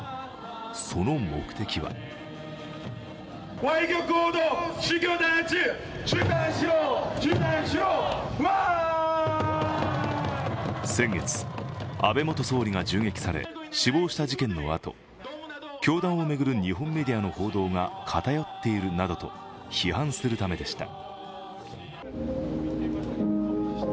その目的は先月、安倍元総理が銃撃され死亡した事件のあと教団を巡る日本メディアの報道が偏っているなどと批判するためでした。